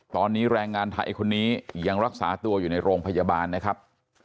ตอนนี้แรงงานไทยคนนี้ยังรักษาตัวอยู่ในโรงพยาบาลนะครับ